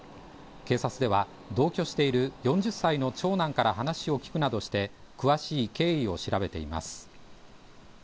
警察では、同居している４０歳の長男から話を聞くなどして、詳しい経緯を調べています。